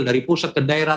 dari pusat ke daerah